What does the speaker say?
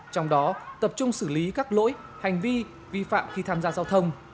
trong đó tập trung xử lý các lỗi hành vi vi phạm khi tham gia giao thông